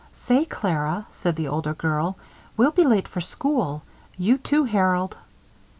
"Say, Clara," said the older girl, "we'll be late for school. You, too, Harold."